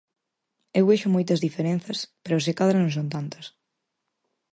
Eu vexo moitas diferenzas, pero se cadra non son tantas.